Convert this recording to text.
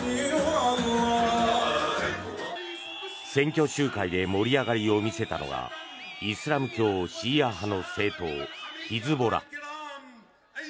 選挙集会で盛り上がりを見せたのがイスラム教シーア派の政党ヒズボラ。